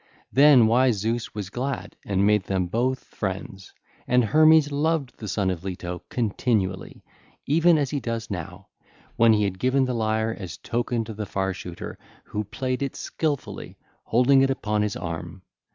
Then wise Zeus was glad and made them both friends. And Hermes loved the son of Leto continually, even as he does now, when he had given the lyre as token to the Far shooter, who played it skilfully, holding it upon his arm.